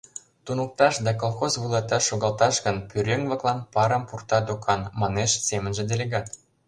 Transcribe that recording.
Туныкташ да колхоз вуйлаташ шогалташ гын, пӧръеҥ-влаклан парым пурта докан, — манеш семынже делегат.